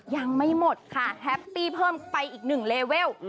ยังไม่หมดค่ะแฮปปี้เพิ่มไปอีกหนึ่งเลเวล